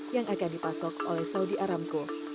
yang akan dipasok oleh saudi aramco